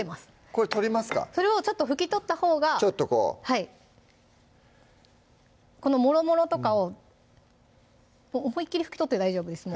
これ取りますかそれをちょっと拭き取ったほうがちょっとこうこのもろもろとかを思いっきり拭き取って大丈夫です